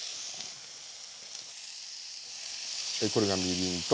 これがみりんと。